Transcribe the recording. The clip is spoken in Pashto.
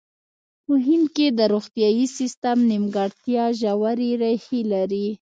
په هند کې د روغتیايي سیستم نیمګړتیا ژورې ریښې لري.